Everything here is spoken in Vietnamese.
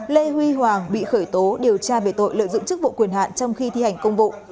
lê huy hoàng bị khởi tố điều tra về tội lợi dụng chức vụ quyền hạn trong khi thi hành công vụ